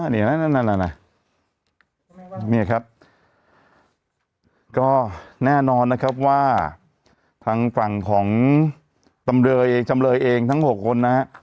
นี่นะแน่นอนว่าทางศาลของทำลยเองทั้ง๖คนนะ